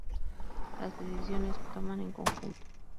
Las decisiones se toman en conjunto.